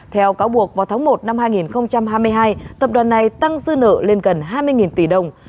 theo cáo buộc vào tháng một năm hai nghìn hai mươi hai tập đoàn này tăng dư nợ lên gần hai mươi tỷ đồng